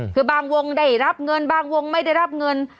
คือบางวงได้รับเงินบางวงไม่ได้รับเงิน